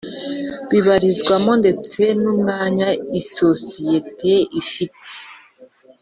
Bibarizwamo ndetse n umwanya isosiyete ifite